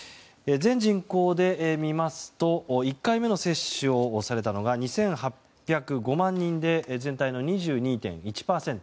全人口で見ますと１回目の接種をされたのが２８０５万人で全体の２２．１％。